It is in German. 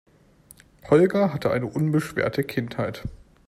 Holger hatte eine unbeschwerte Kindheit.